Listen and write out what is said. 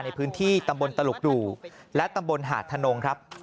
ในพื้นที่ตำบลตลุกดูและตำบลหาดทนงครับ